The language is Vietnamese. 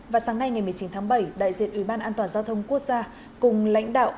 và sáng nay ngày một mươi chín tháng bảy đại diện ủy ban an toàn giao thông quốc gia cùng lãnh đạo